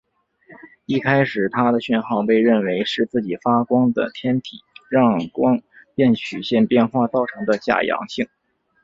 一开始它的讯号被认为是自己发光的天体让光变曲线变化造成的假阳性。